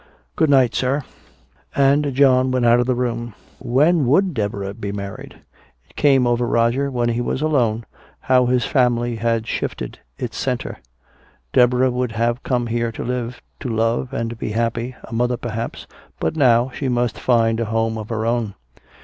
"Good night, sir." And John went out of the room. When would Deborah be married? It came over Roger, when he was alone, how his family had shifted its center. Deborah would have come here to live, to love and be happy, a mother perhaps, but now she must find a home of her own.